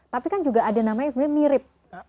tapi kan juga ada namanya yang mirip